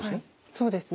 そうですね。